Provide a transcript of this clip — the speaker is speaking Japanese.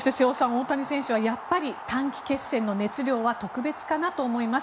大谷選手はやっぱり短期決戦の熱量は特別かなと思います